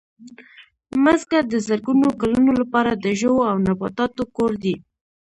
مځکه د زرګونو کلونو لپاره د ژوو او نباتاتو کور دی.